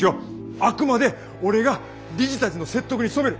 あくまで俺が理事たちの説得に努める。